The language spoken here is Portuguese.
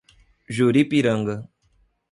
Juripiranga